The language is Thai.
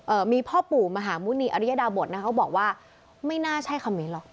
เอ่อมีพ่อปู่มหาบุณีอริยดาบทนะเขาบอกว่าไม่น่าใช่คำเนี้ยหรอก